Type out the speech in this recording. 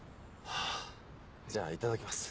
はあじゃあいただきます。